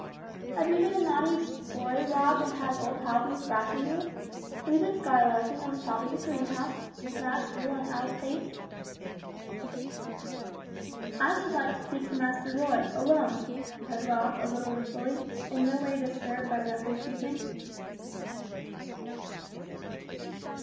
"Have you been a naughty boy, Rob, and has old Hal been thrashing you? Have you been skylarking on the top of the greenhouse, and smashed through on Hal's pate?" "I should like to speak to Master Roy, alone," said Rob, a little wistfully; in no way disturbed by Dudley's teasing.